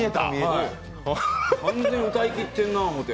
完全、歌いきってるなって思って。